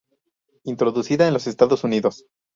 Introducida en los Estados Unidos.